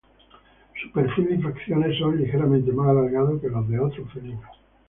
Su perfil y facciones son ligeramente más alargados que los de otros felinos.